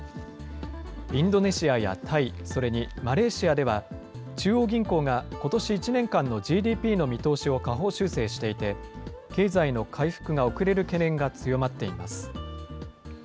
インドネシアやタイ、それにマレーシアでは、中央銀行がことし１年間のＧＤＰの見通しを下方修正していて、経済の回復が遅れる懸念が強まっています。